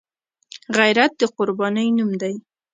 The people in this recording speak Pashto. غیرت د قربانۍ نوم دی